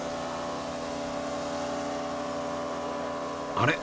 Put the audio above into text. あれ？